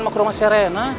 mau ke rumah serena